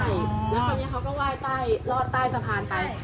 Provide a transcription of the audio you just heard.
แล้วคราวนี้เขาก็ไหว้ลอดใต้สะพานไป